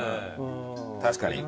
確かに。